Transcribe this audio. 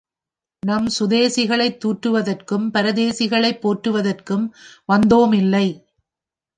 நாம் சுதேசிகளைத் தூற்றுவதற்கும் பரதேசிகளைப் போற்றுவதற்கும் வந்தோமில்லை.